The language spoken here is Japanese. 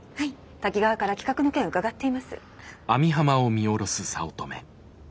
滝川から企画の件伺っています。